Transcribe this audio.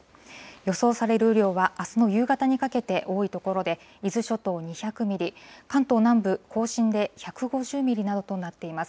予想される雨量は、あすの夕方にかけて、多い所で、伊豆諸島２００ミリ、関東南部、甲信で１５０ミリなどとなっています。